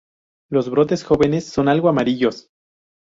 Los brotes jóvenes son algo amarillos.